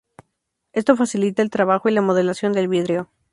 Esto facilita el trabajo y la modelación del vidrio.